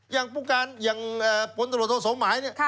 อย่างผู้การอย่างต้นบทโทษหมายนี่